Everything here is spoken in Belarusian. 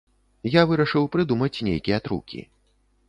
Я вырашыў прыдумаць нейкія трукі.